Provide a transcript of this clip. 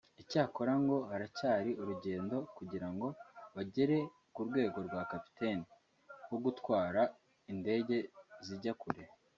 Icyakora ngo haracyari urugendo kugira ngo bagere ku rwego rwa “Captain” wo gutwara indege zijya kure